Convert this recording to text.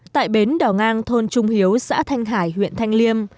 tại bến đỏ ngang thôn trung hiếu xã thanh hải huyện thanh liêm